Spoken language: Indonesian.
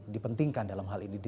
dipentingkan dalam hal ini